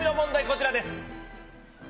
こちらです。